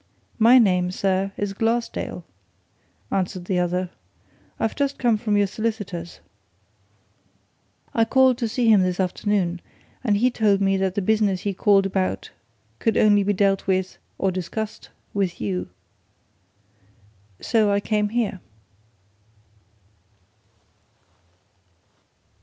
"My name, sir, is Glassdale," answered the other. "I've just come from your solicitor's. I called to see him this afternoon and he told me that the business I called about could only be dealt with or discussed with you. So I came here."